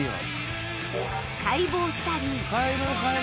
解剖したり